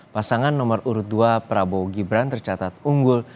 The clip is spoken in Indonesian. pasangan nomor urut dua prabowo gibran tercatat unggul